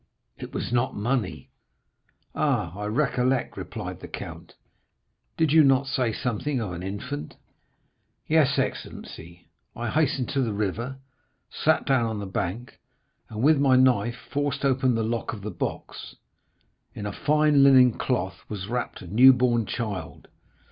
"It was not money." "Ah, I recollect," replied the count; "did you not say something of an infant?" "Yes, excellency; I hastened to the river, sat down on the bank, and with my knife forced open the lock of the box. In a fine linen cloth was wrapped a new born child.